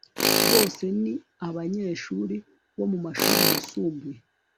bose ni abanyeshuri bo mumashuri yisumbuye